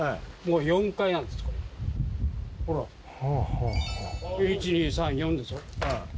ほら１２３４でしょ。